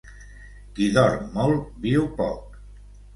Qui dorm molt viu poc.